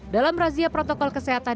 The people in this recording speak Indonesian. dalam razia protokol kesehatan